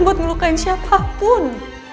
buat ngelukain siapa pun